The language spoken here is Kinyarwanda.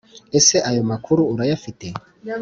ese ayo makuru urayafite?